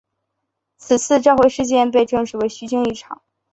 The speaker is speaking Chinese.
此次召回事件被证实为虚惊一场。